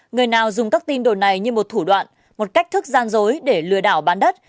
người nào dùng các tin đồn này như một thủ đoạn một cách thức gian dối để lừa đảo bán đất